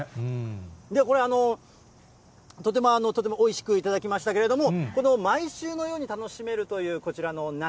これ、とてもとてもおいしく頂きましたけれども、この毎週のように楽しめるという、こちらの梨。